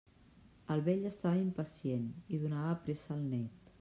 El vell estava impacient i donava pressa al nét.